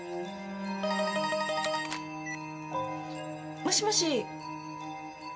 もしもし。